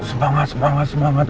semangat semangat semangat